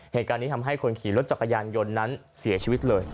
เหตุการณ์นี้ทำให้คนขี่รถจากกายานยนต์สีอิกทวิตเลย